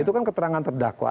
itu kan keterangan terdakwa